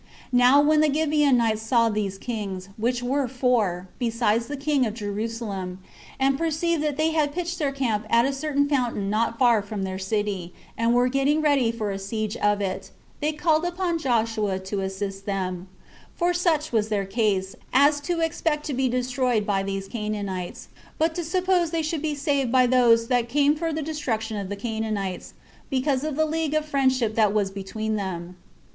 Now when the Gibeonites saw these kings, which were four, besides the king of Jerusalem, and perceived that they had pitched their camp at a certain fountain not far from their city, and were getting ready for the siege of it, they called upon Joshua to assist them; for such was their case, as to expect to be destroyed by these Canaanites, but to suppose they should be saved by those that came for the destruction of the Canaanites, because of the league of friendship that was between them.